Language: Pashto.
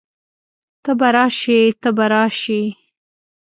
ته به راشئ، ته به راشې